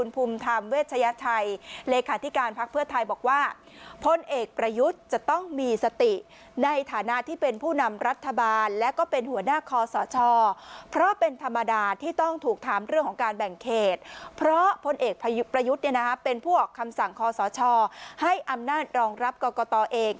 เพราะพลเอกประยุทธ์เป็นผู้ออกคำสั่งคอสชให้อำนาจรองรับกรกตเอง